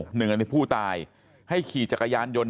หนึ่งอันนี้ผู้ตายให้ขี่จักรยานยนต์